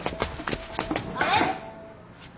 あれ？